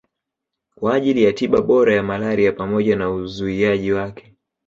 kwa ajili ya tiba bora ya malaria pamoja na uzuiaji wake